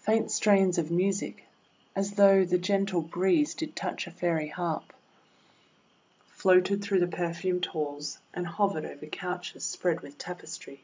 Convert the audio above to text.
Faint strains of music, as though the gentle breeze did touch a Fairy harp, '270 THE WONDER GARDEN floated through the perfumed halls and hovered over couches spread with tapestry.